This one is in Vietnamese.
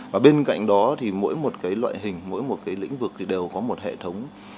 và bên cạnh đó thì mỗi một loại hình mỗi một lĩnh vực đều có một hệ thống